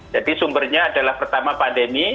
jadi sumbernya adalah pertama pandemi